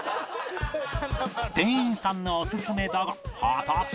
店員さんのオススメだが果たして？